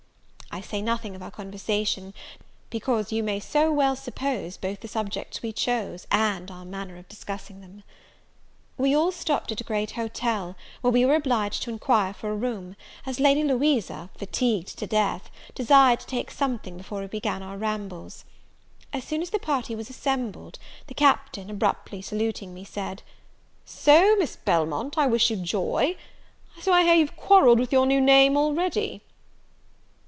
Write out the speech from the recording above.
I say nothing of our conversation, because you may so well suppose both the subjects we chose, and our manner of discussing them. We all stopped at a great hotel, where we were obliged to enquire for a room, as Lady Louisa, fatigued to death, desired to take something before we began our rambles. As soon as the party was assembled, the Captain, abruptly saluting me, said, "So, Miss Belmont, I wish you joy; so I hear you've quarrelled with your new name already?"